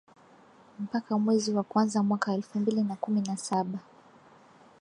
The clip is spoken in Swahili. mpaka mwezi wa kwanza mwaka elfu mbili na kumi na saba